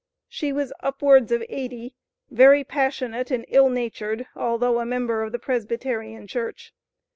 "She was upwards of eighty, very passionate and ill natured, although a member of the Presbyterian Church."